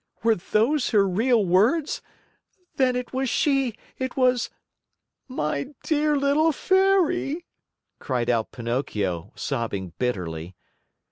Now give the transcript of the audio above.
'" "Were those her real words? Then it was she it was my dear little Fairy," cried out Pinocchio, sobbing bitterly.